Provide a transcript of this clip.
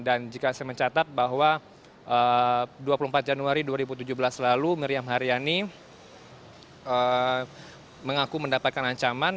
dan jika saya mencatat bahwa dua puluh empat januari dua ribu tujuh belas lalu miriam hariani mengaku mendapatkan ancaman